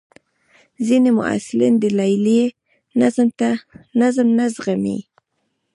ځینې محصلین د لیلیې نظم نه زغمي.